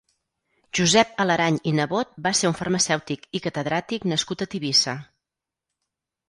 Josep Alerany i Nebot va ser un farmacèutic i catedràtic nascut a Tivissa.